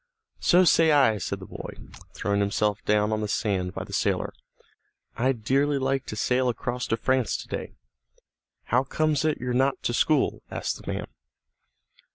"So say I," said the boy, throwing himself down on the sand by the sailor. "I'd dearly like to sail across to France to day." "How comes it you're not to school?" asked the man.